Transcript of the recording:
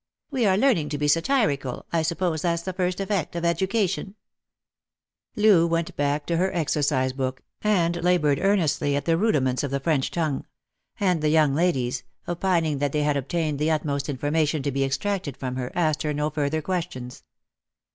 " We are learning to be satirical — I suppose that's the first effect of education !" Loo went back to her exercise book, and laboured earnestly at the rudiments of the French tongue; and the young ladies, opining that they had obtained the utmost information to be extracted from her, asked her no further questions.